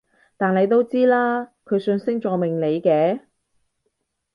但你都知啦，佢信星座命理嘅